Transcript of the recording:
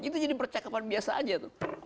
itu jadi percakapan biasa aja tuh